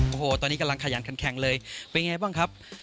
โอ้โหตอนนี้กำลังขยันขันแข่งเลยเป็นไงบ้างครับ